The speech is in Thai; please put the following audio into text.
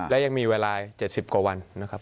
และยังมีเวลา๗๐กว่าวันนะครับ